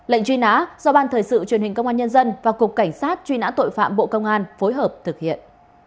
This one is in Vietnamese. lệnh truy nã do ban thời sự truyền hình công an nhân dân và cục cảnh sát truy nã tội phạm bộ công an phối hợp thực hiện